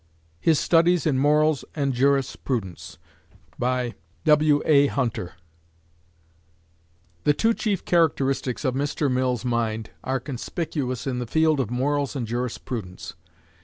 VII HIS STUDIES IN MORALS AND JURISPRUDENCE The two chief characteristics of Mr. Mill's mind are conspicuous in the field of morals and jurisprudence.